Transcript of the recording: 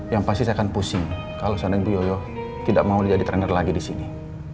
yang pasti saya akan pusing kalau seandainya bu yoyo tidak mau jadi trainer lagi di sini